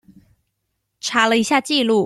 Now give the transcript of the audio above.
查了一下記錄